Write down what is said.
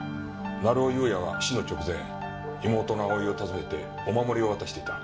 成尾優也は死の直前妹の蒼を訪ねてお守りを渡していた。